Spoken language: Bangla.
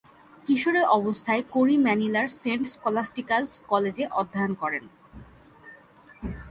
কিশোরী অবস্থায় কোরি ম্যানিলার সেন্ট স্কলাস্টিকা’জ কলেজে অধ্যয়ন করেন।